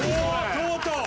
とうとう！